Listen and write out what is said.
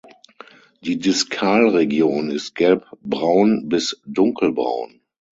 Die Diskalregion ist gelbbraun bis dunkelbraun.